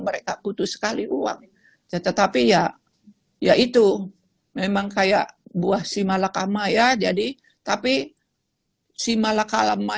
mereka butuh sekali uang tetapi ya ya itu memang kayak buah si malakama ya jadi tapi si malakalama